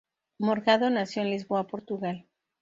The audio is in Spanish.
Morgado nació en Lisboa, Portugal.